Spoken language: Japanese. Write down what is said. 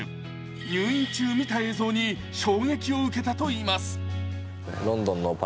入院中、見た映像に衝撃を受けたといいます。